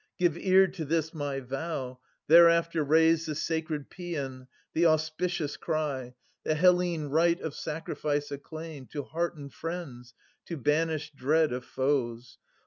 Give ear to this my vow ; thereafter raise The sacred paean, the auspicious cry. The Hellene rite of sacrifice acclaim. To hearten friends, to banish dread of foes.